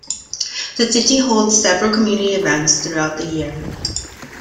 The city holds several community events throughout the year.